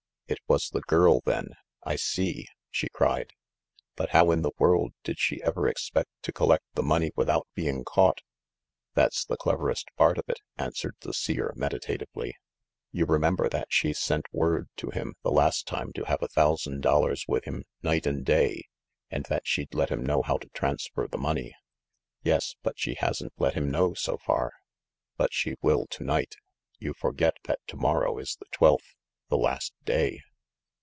"It was the girl, then. I see !" she cried. "But how in the world did she ever expect to collect the money without being caught ?" "That's the cleverest part of it," answered tHe Seer meditatively. "You remember that she sent word to him the last time to have a thousand dollars with him night and day, and she'd let him know how to transfer the money ?" "Yes ; but she hasn't let him know, so far." "But she will to night. You forget that to morrow is the twelfth, the last day."